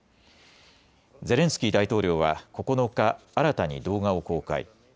ゼレンスキー大統領は９日、新たに動画を公開。